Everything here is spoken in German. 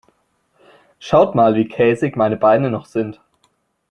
Schaut mal, wie käsig meine Beine noch sind.